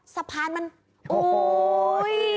สะพานมันโอ๊ย